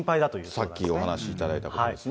さっきお話しいただいたことですね。